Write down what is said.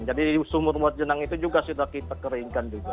jadi di sumur majenang itu juga sudah kita keringkan juga